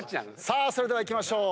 それではいきましょう。